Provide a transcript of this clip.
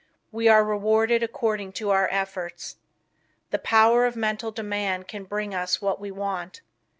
We are rewarded according to our efforts. The Power of Mental Demand can bring us what we want.